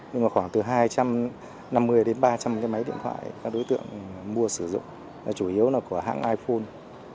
nhưng mà khoảng từ hai trăm năm mươi đến ba trăm linh cái máy điện thoại các đối tượng mua sử dụng là chủ yếu là của hãng iphone